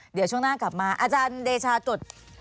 เดี๋ยวช่วงหน้ากลับมาอาจารย์เดชาจด